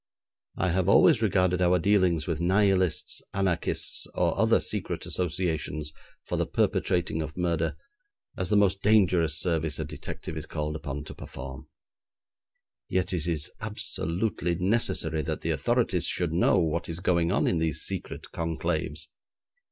I have always regarded our dealings with nihilists, anarchists, or other secret associations for the perpetrating of murder as the most dangerous service a detective is called upon to perform. Yet it is absolutely necessary that the authorities should know what is going on in these secret conclaves.